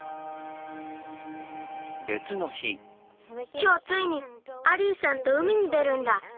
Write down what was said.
きょうついにアリーさんと海に出るんだ。